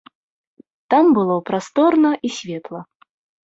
Там было прасторна і светла.